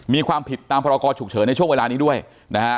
มีความผิดตามพรกรฉุกเฉินในช่วงเวลานี้ด้วยนะฮะ